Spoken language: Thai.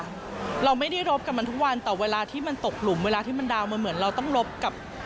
เราไม่ได้รบกับมันทุกวันแต่เวลาที่มันตกหลุมเวลาที่มันดาวนมันเหมือนเราต้องรบกับ